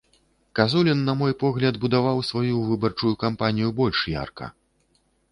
Казулін, на мой погляд, будаваў сваю выбарчую кампанію больш ярка.